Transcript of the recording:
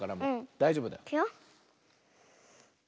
だいじょうぶだ。いくよ。